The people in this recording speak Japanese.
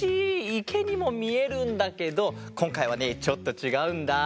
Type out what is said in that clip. いけにもみえるんだけどこんかいはねちょっとちがうんだ。